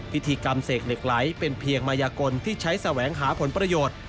พิธีกรรมเสกเหล็กไหลเป็นเพียงมายากลที่ใช้แสวงหาผลประโยชน์